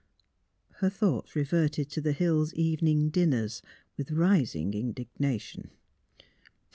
Her thoughts reverted to the Hills' evening dinners with rising indignation.